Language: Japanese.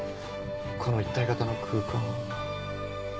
この一体型の空間は。